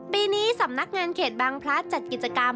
ปีนี้สำนักงานเขตบางพลัดจัดกิจกรรม